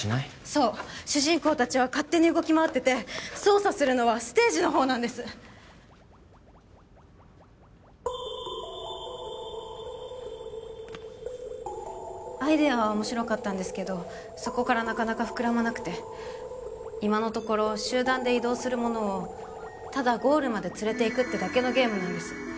そう主人公達は勝手に動き回ってて操作するのはステージの方なんですアイデアは面白かったんですけどそこからなかなか膨らまなくて今のところ集団で移動するものをただゴールまで連れていくってだけのゲームなんです